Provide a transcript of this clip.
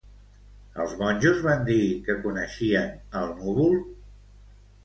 Els monjos van dir que coneixien el núvol?